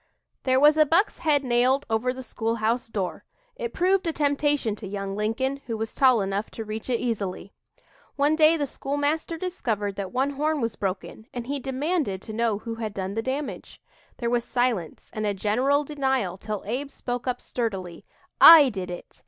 There was a buck's head nailed over the school house door. It proved a temptation to young Lincoln, who was tall enough to reach it easily. One day the schoolmaster discovered that one horn was broken and he demanded to know who had done the damage. There was silence and a general denial till Abe spoke up sturdily: "I did it.